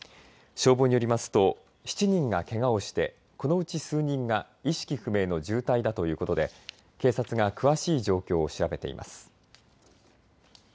消防によりますと７人がけがをして、このうち数人が意識不明の重体だということで警察が詳しい状況を調べています。